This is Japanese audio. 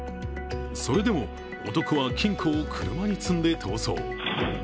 それでも男は金庫を車に積んで逃走。